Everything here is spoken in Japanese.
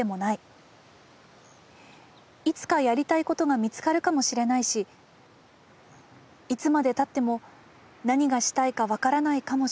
いつかやりたいことが見つかるかもしれないしいつまでたっても何がしたいか分からないかもしれない。